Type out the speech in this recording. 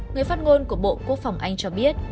người phát ngôn của bộ quốc phòng anh cho biết